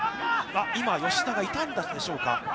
今、吉田が痛んだでしょうか。